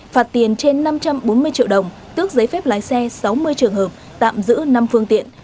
phạt tiền trên năm trăm bốn mươi triệu đồng tước giấy phép lái xe sáu mươi trường hợp tạm giữ năm phương tiện